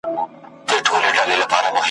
زه د عطر په څېر خپور سم ته مي نه سې بویولای `